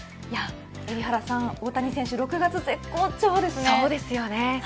海老原さん大谷選手、６月絶好調ですね。